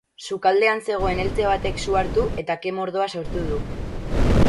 Sukaldean zegoen eltze batek su hartu eta ke-mordoa sortu du.